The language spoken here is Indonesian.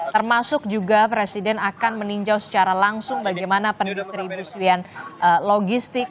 termasuk juga presiden akan meninjau secara langsung bagaimana pendistribusian logistik